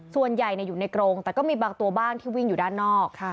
ส่วนใหญ่อยู่ในกรงแต่ก็มีบางตัวบ้างที่วิ่งอยู่ด้านนอก